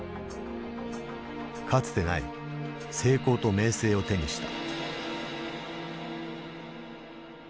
かつてない成功と名声を手にした。